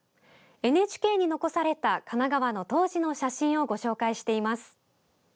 ＮＨＫに残された神奈川の当時の写真をご紹介しています。